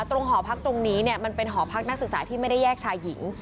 หอพักตรงนี้เนี่ยมันเป็นหอพักนักศึกษาที่ไม่ได้แยกชายหญิง